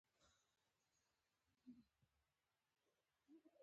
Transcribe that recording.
انار د افغان کلتور په ټولو داستانونو کې ډېره راځي.